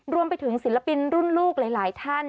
รวมไปถึงศิลปินรุ่นลูกหลายท่าน